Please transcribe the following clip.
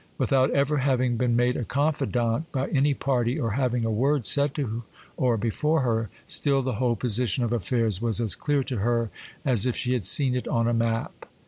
Without ever having been made a confidante by any party, or having a word said to or before her, still the whole position of affairs was as clear to her as if she had seen it on a map.